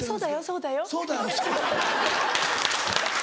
「そうだよ」。